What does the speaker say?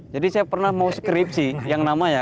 jadi saya pernah mau skripsi yang namanya